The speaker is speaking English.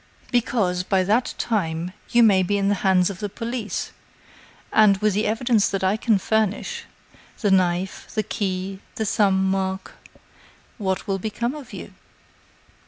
"Because by that time you may be in the hands of the police, and, with the evidence that I can furnish the knife, the key, the thumb mark what will become of you?"